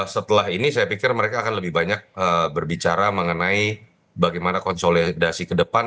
setelah ini saya pikir mereka akan lebih banyak berbicara mengenai bagaimana konsolidasi ke depan